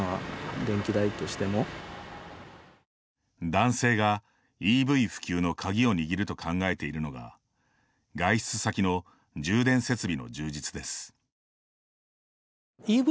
男性がＥＶ普及の鍵を握ると考えているのが外出先の充電設備の充実です。